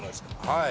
はい。